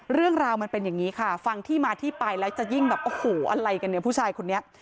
เรื่องราวมันเป็นอย่างนี้ค่ะฟังที่มาที่ไปแล้วจะยิ่งแบบโอ้โหอะไรกันเนี่ยผู้ชายคนนี้